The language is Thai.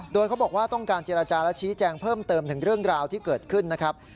โดยเขาบอกว่าต้องการเจรจาและชี้แจงเพิ่มเติมถึงเรื่องราวที่เกิดขึ้นนะครับ